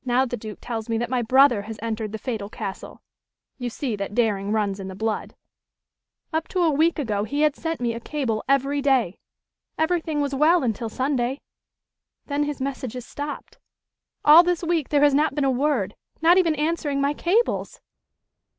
"But what's the latest news from the trenches?" "Now the Duke tells me that my brother has entered the fatal castle ... you see that daring runs in the blood! Up to a week ago he had sent me a cable every day. Everything was well until Sunday. Then his messages stopped. All this week there has not been a word, not even answering my cables!"